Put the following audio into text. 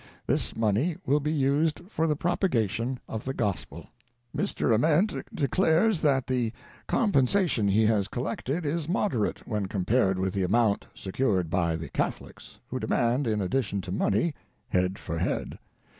This money will be used for the propagation of the Gospel. "Mr. Ament declares that the compensation he has collected is moderate when compared with the amount secured by the Catholics, who demand, in addition to money, head for head.